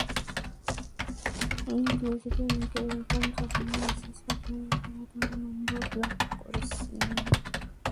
তুই যদি আমাকে এইরকম জঘন্য মেসেজ পাঠাস, দাঁড়া, তোর নম্বর ব্লক করছি।